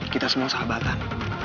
kita semua sahabatan